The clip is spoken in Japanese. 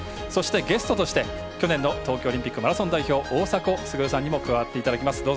そしてゲストとして去年の東京オリンピックマラソン代表大迫傑さんにも加わっていただきます。